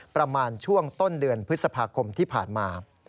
ประมาณช่วงต้นเดือนพฤษภาคมที่ผ่านมา